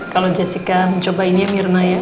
kalau jessica mencoba ini ya mirna ya